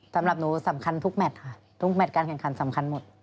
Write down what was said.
สำหรับหนูสำคัญทุกแมทค่ะทุกแมทการแข่งขันสำคัญหมด